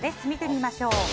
見てみましょう。